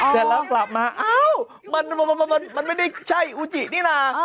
แต่ลับมาอ้าวมันไม่ได้ใช่อูจินี่น่ะ